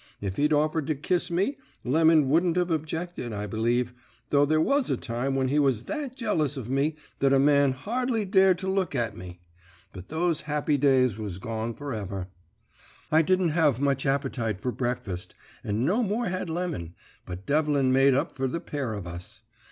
If he'd offered to kiss me, Lemon wouldn't have objected, I believe, though there was a time when he was that jealous of me that a man hardly dared to look at me. But those happy days was gone for ever. "I didn't have much appetite for breakfast, and no more had Lemon, but Devlin made up for the pair of us.